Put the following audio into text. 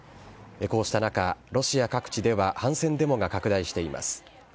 こうした中、ロシア各地では反戦デモが拡大しています。